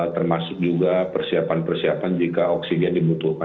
termasuk juga persiapan persiapan jika oksigen dibutuhkan